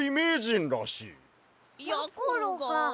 やころが。